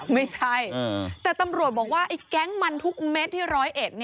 ไม่ใช่แต่ตำรวจบอกว่าไอ้แก๊งมันทุกเม็ดที่๑๐๑